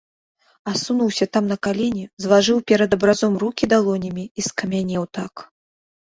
Асунуўся там на калені, злажыў перад абразом рукі далонямі і скамянеў так.